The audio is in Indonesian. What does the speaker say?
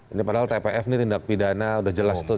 ini padahal tpf ini tindak pidana udah jelas tuh